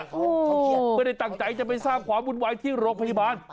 โอ้เมื่อได้ตั้งใจจะไปสร้างความบุญไวที่โรคพยาบาล